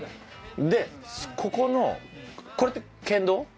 でここのこれって県道？